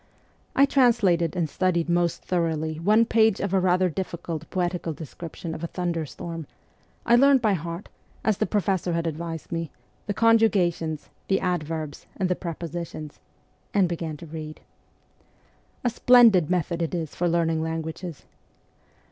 I translated and studied most thoroughly one page of a rather difficult poetical description of a thunderstorm ; I learned by heart, as the professor had advised me, the conjugations, the adverbs, and the prepositions and began to read. A splendid method it is for learning languages.